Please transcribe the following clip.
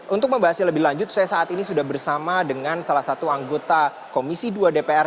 untuk membahasnya lebih lanjut saya saat ini sudah bersama dengan salah satu anggota komisi dua dpr